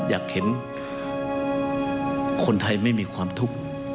อยากเห็นคนไทยไม่มีความทุกข์